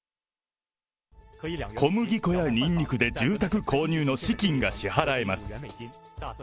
小麦粉やニンニクで住宅購入の資金が支払えます。